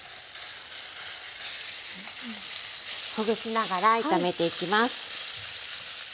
ほぐしながら炒めていきます。